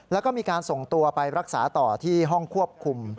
แล้วก็มีการส่งตัวไปรักษาต่อที่ห้องควบคุม